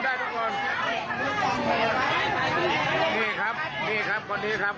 นี่ครับนี่ครับคนนี้ครับ